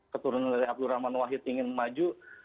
keturunan dari abdul rahman wahid ingin maju